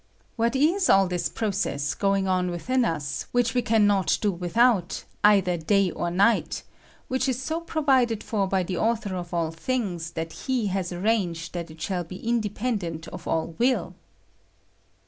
What ia all this process going on within us which we can not do without, either day or night, which ia I 1 174 WHAT 13 RESPIRATION? SO provided for by the Author of all things that He has arranged that it shall be indepen dent of aJl will?